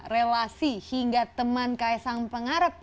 relasi hingga teman kaisang pengarap